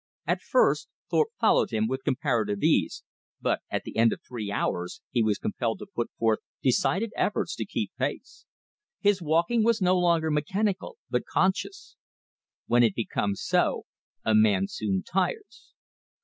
At first Thorpe followed him with comparative ease, but at the end of three hours he was compelled to put forth decided efforts to keep pace. His walking was no longer mechanical, but conscious. When it becomes so, a man soon tires.